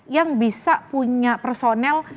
yang bisa punya personel